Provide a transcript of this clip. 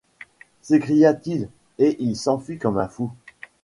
s’écria-t-il, et il s’enfuit comme un fou.